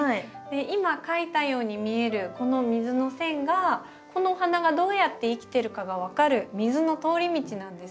今描いたように見えるこの水の線がこのお花がどうやって生きてるかが分かる水の通り道なんですね。